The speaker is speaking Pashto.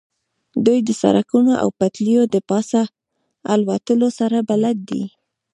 دوی د سړکونو او پټلیو د پاسه الوتلو سره بلد دي